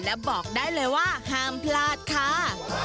และบอกได้เลยว่าห้ามพลาดค่ะ